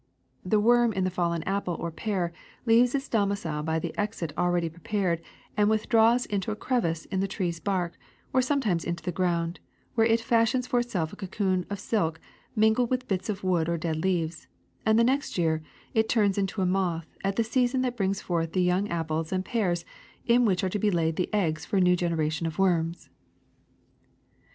The worm in the fallen apple or pear leaves its domicile by the exit already prepared and withdraws into a crevice in the tree's bark, or sometimes into the ground, where it fashions for it self a cocoon of silk mingled with bits of wood or dead leaves ; and the next year it turns into a moth, at the season that brings forth the young apples and pears in which are to be laid the eggs for a new generation of worms.